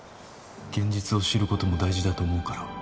現実を知ることも大事だと思うから